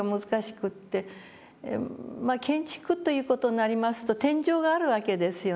まあ建築という事になりますと天井があるわけですよね。